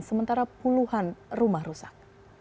sementara puluhan rumah rusak